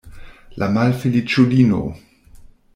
La malfeliĉulino!